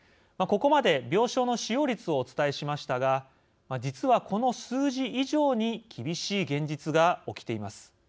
ここまで病床の使用率をお伝えしましたが実は、この数字以上に厳しい現実が起きています。